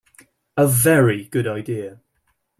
A very good idea.